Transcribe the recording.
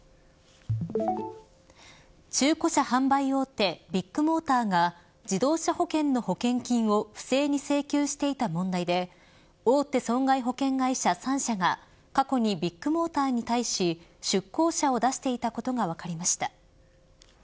中古車販売大手ビッグモーターが自動車保険の保険金を不正に請求していた問題で大手損害保険会社３社が過去にビッグモーターに対し出向者を出していたことが分かりました。